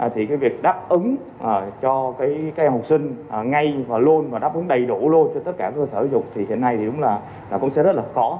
thì cái việc đáp ứng cho cái học sinh ngay và luôn và đáp ứng đầy đủ luôn cho tất cả các cơ sở dục thì hiện nay thì đúng là cũng sẽ rất là khó